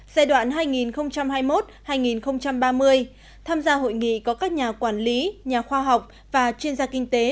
giai đoạn hai nghìn hai mươi một hai nghìn ba mươi tham gia hội nghị có các nhà quản lý nhà khoa học và chuyên gia kinh tế